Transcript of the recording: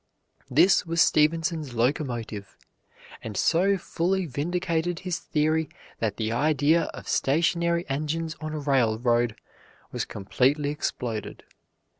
This was Stephenson's locomotive, and so fully vindicated his theory that the idea of stationary engines on a railroad was completely exploded.